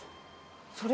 それ？